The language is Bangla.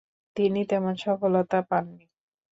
তিনি তেমন সফলতা পাননি।